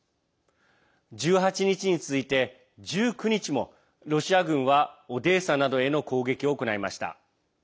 １８日に続いて１９日もロシア軍はオデーサなどへの攻撃を行いました。